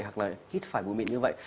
hoặc là hít phải bụi mịn như vậy